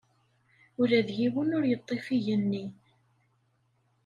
Ula d yiwen ur yeḍḍif igenni.